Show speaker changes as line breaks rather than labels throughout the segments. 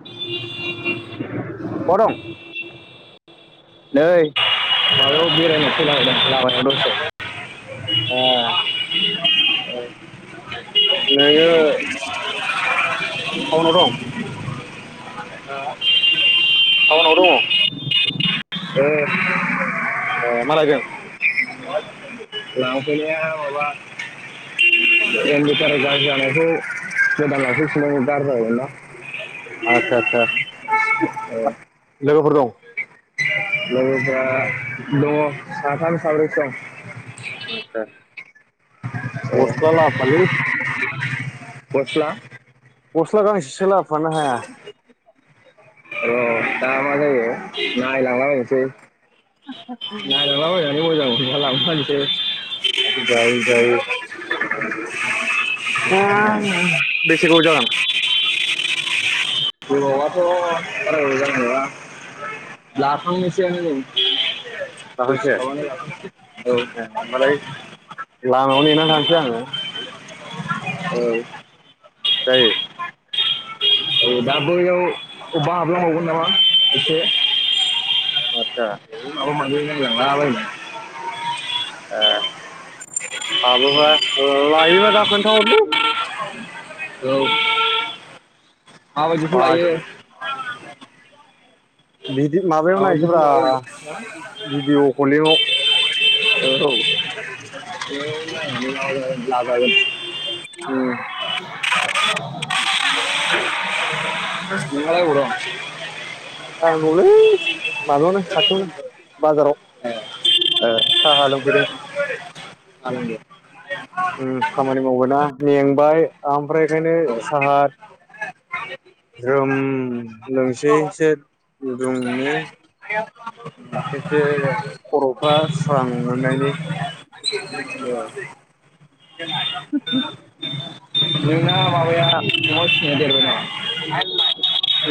[inaudible] नै
बहा दं?
माबायाव बेरायनो फैला बायदों लामायाव दसे
नोङो थाउनाव दं।
[unintelligible]
थाउनाव दङ।
औ।
ए मा लायदों?
लांफैनाया माबा एमबितारर गाज्रि जानायखौ गोदान लांफैफिनदोंम गारजि जाबायमोनना
आचसा आदसा लोगोफोर दं?
लोगोफ्रा दङ साथाम साब्रैसो दं।
आतसा गसला
ओ
लाबफालै।
गस्ला
गस्ला गांसेसो लाबोफानो हाया?
र' दा मा जायो नायलांलाबायनोसै नायलांलाबाय एसे मोजां मोनोब्ला लाबोफानोसै।
जायो - जायो। ओम बेसे गोाव जागोन?
गोबावाथ' बारा गोबाव जानाय नङा। लाखांनोसै आनो नै [unintelligible] खांसै औ
होनबालाय लामायाव नेना थानोसै आङो।
औ।
जायो।
औ दा बैयाव अबेबा हाबलांबावगोन नामा एसे।
आतसा।
[unintelligible]
ए हाबोबा लायोबा दा खोन्थाहरलै।
औ माबायदिखौ
बाजौ
लायो?
बिदि माबा
[unintelligible] [unintelligible]
भिडिअ कलिंआव
लाजागोन [unintelligible] नोंहालाय अबाव दं?
औ दंलै माबायावनो खाथियावनो बाजाराव।
ए ओ
साहा लोंफैदों।
जागोन दे
ओम खामानि मावबाय ना मेंबाय ओमफ्राय बेखायनो
औ औ
साहा ज्रोम लोंसैसो गुदुंनो
[inaudible]
एसे खर'फ्रा स्रां मोननायनि
[inaudible] [inaudible]
[unintelligible]
नोंना माबाया अमा फिसाया देरबाय नामा?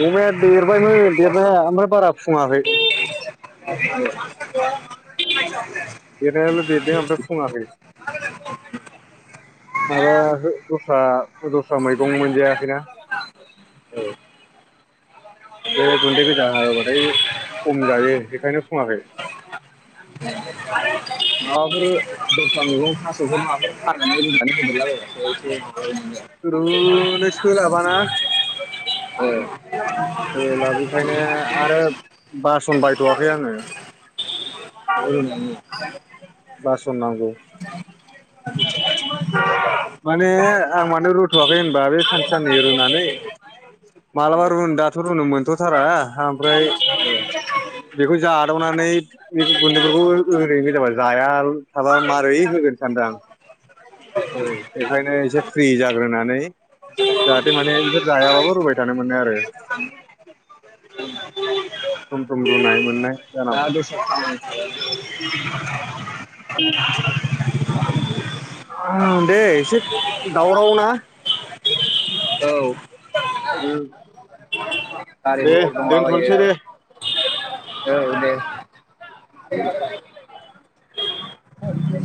अमाया देरबायमोन देरनाया ओमफ्राय बारा फुङाखै
[inaudible]
देरनायाल' देरदों ओमफ्राय फुङाखै माबा हो दस्रा दस्रा मैगं मोनजायाखैना
औ
बे गुन्दै गोजा होबाथाय खम जायो बेखायनो फुङाखै
[inaudible] माबाफोर दस्रा मैगं थास'फोर माबाफोर [unintelligible] नानै रुनानै होदेरलाबायबासो एसे [unintelligible]
रुनो सोलाबा ना
एसे
सोलाबिखायनो आरो बासन बायथ'आाखै आङो
[unintelligible]
बासन नांगौ माने आं मानो रुथ'वाखै होनबा बे सानसे साननै रुनानै मालाबा रुनो दाथ' रुनो मोनथ'थारा ओमफ्राय बेखौ जादावनानै [unintelligible] गुन्दैफोरखौ ओरैनो गोजाबा जाया थाबा माबारै होगोन सानदां
औ
बेखायनो एसे फ्रि जाग्रोनानै जाहाथे माने बिसोर जायाबाबो रुबाय थानो मोनो आरो सम सम रुनाय मोननाय जानांगौ
[inaudible]
ओ दे एसे दावराव ना
औ
उम
गारि
दे
मथर दंलाबायो
दोनथ'नोसै दे
औ दे। [inaudible]
[inaudible]